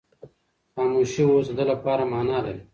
خاموشي اوس د ده لپاره مانا لرله.